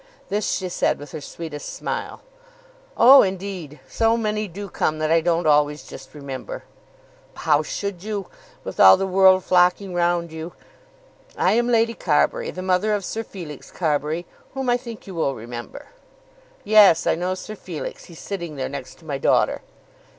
This she said with her sweetest smile. "Oh, indeed. So many do come, that I don't always just remember." "How should you, with all the world flocking round you? I am Lady Carbury, the mother of Sir Felix Carbury, whom I think you will remember." "Yes; I know Sir Felix. He's sitting there, next to my daughter."